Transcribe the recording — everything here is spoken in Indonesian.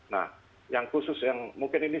nah yang khusus yang mungkin ini